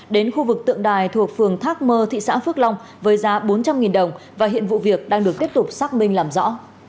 đến khu vực tượng đài thuộc phường thác mơ thị xã phước long với giá bốn trăm linh đồng và hiện vụ việc đang được tiếp tục xác minh làm rõ